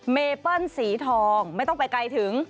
เปิ้ลสีทองไม่ต้องไปไกลถึง